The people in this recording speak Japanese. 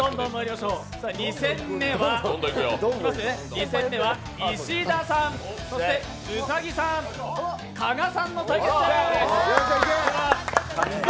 ２戦目は石田さん、兎さん、加賀さんの対決です。